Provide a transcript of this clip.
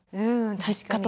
実家とか。